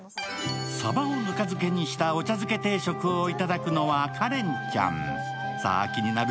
鯖をぬか漬けにしたお茶漬け定食をいただくのはカレンちゃん。